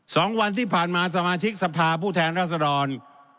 สองวันที่ผ่านมาสมาชิกสภาผู้แทนรัศดร